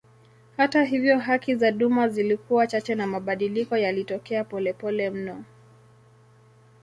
Hata hivyo haki za duma zilikuwa chache na mabadiliko yalitokea polepole mno.